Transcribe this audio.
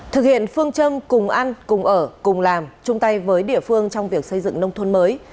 thực hiện phương châm cùng ăn cùng ở cùng làm chung tay với địa phương trong việc xây dựng nông thôn mới